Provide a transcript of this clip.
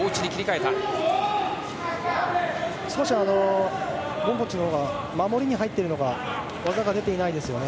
少し、ゴムボッチのほうが守りに入っているのか技が出てないですよね。